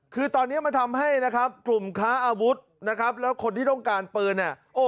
คือตอนนี้มันทำให้กลุ่มค้าอาวุธและคนที่ต้องการปืน